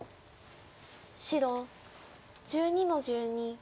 白１２の十二。